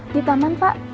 di taman pak